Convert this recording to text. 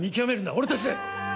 俺たちで！